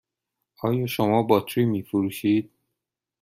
آیا شما باطری می فروشید؟